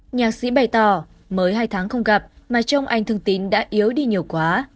nhạc sĩ bày tỏ mới hai tháng không gặp mà trong anh thương tín đã yếu đi nhiều quá